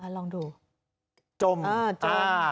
อ่าลองดูจมอ่าจมอ่า